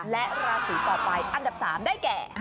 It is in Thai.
และราศีต่อไปอันดับ๓ได้แก่